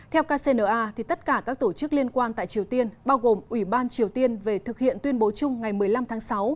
theo kcna tất cả các tổ chức liên quan tại triều tiên bao gồm ủy ban triều tiên về thực hiện tuyên bố chung ngày một mươi năm tháng sáu